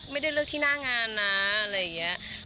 ไม่ได้เลือกที่หน้างานนะอะไรอย่างนี้